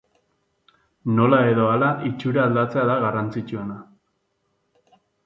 Nola edo hala itxura aldatzea da garrantzitsuena.